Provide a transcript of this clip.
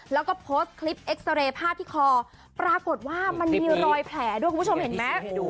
แล้วก็โพสต์คลิปเอ็กซาเรย์ภาพที่คอปรากฏว่ามันมีรอยแผลด้วยคุณผู้ชมเห็นไหม